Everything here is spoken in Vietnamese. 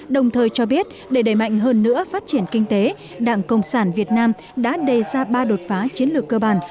đồng thời cho biết để đẩy mạnh hơn nữa phát triển kinh tế đảng cộng sản việt nam đã đề ra ba đột phá chiến lược cơ bản